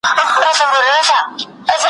دلته به کور وي د ظالمانو `